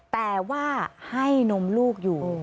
แต่ว่าให้นมลูกอยู่